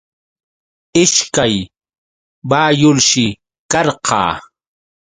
Ishkay bayulshi karqa.